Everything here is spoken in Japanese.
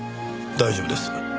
大丈夫です。